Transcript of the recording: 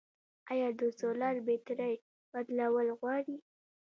آیا د سولر بیترۍ بدلول غواړي؟